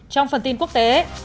trong phần tin quốc tế